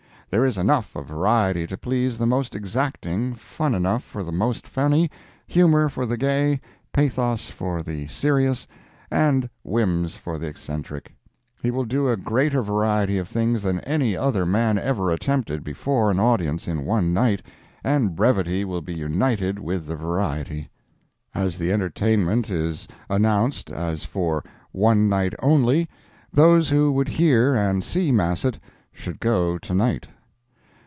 There is enough of variety to please the most exacting, fun enough for the most funny, humor for the gay, pathos for the serious, and whims for the eccentric. He will do a greater variety of things than any other man ever attempted before an audience in one night, and brevity will be united with the variety. As the entertainment is announced as for "one night only," those who would hear and see Massett, should go to night.